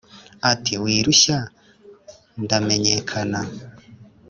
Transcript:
ati"wirushya ndamenyekanye"